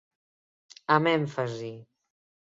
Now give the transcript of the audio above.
Amb èmfasi.